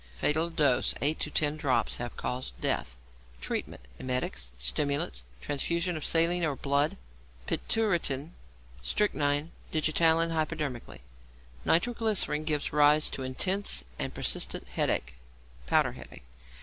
Fatal Dose. Eight to ten drops have caused death. Treatment. Emetics, stimulants, transfusion of saline or blood, pituitrin, strychnine, or digitalin hypodermically. =Nitroglycerine= gives rise to intense and persistent headache ('powder headache').